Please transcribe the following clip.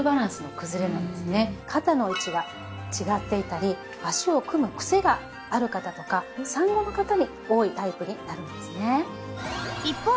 肩の位置が違っていたり脚を組むクセがある方とか産後の方に多いタイプになるんですね。